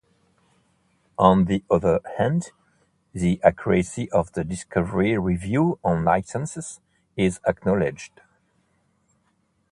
On the other hand, the accuracy of the directory review on licenses is acknowledged.